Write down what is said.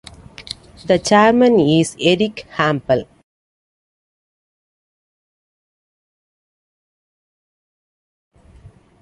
The Chairman is Erich Hampel.